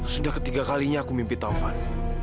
sudah ketiga kalinya aku mimpi taufan